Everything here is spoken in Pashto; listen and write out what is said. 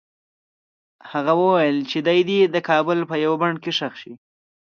هغه وویل چې دی دې د کابل په یوه بڼ کې ښخ شي.